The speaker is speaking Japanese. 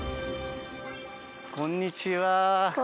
こんにちは。